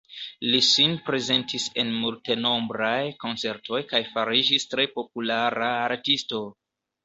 Li sin prezentis en multenombraj koncertoj kaj fariĝis tre populara artisto.